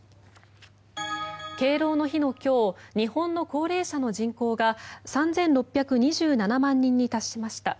敬老の日の今日日本の高齢者の人口が３６２７万人に達しました。